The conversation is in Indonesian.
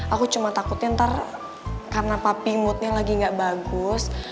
aku cuma takutnya ntar karena papping moodnya lagi gak bagus